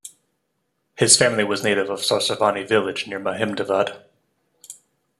His family was native of Sarsavani village near Mahemdavad.